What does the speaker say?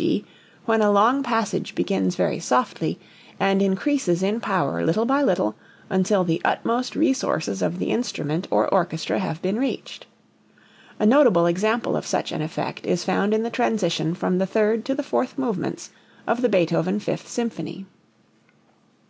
g._, when a long passage begins very softly and increases in power little by little until the utmost resources of the instrument or orchestra have been reached. A notable example of such an effect is found in the transition from the third to the fourth movements of the Beethoven Fifth Symphony.